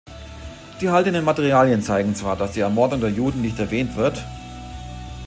Die erhaltenen Materialien zeigen zwar, dass die Ermordung der Juden nicht erwähnt wird.